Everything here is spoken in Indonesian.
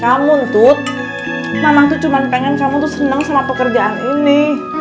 kamu tut mama tuh cuma pengen kamu tuh seneng sama pekerjaan ini